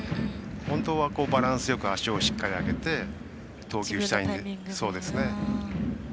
本当は、バランスよく足をしっかり上げて投球したいですね。